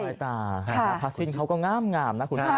สบายตาภาษีนเขาก็งามนะคุณฮะ